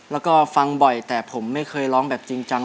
แล้วก็ฟังบ่อยแต่ผมไม่เคยร้องแบบจริงจัง